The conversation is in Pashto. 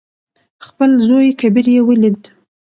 خپل زوى کبير يې ولېد.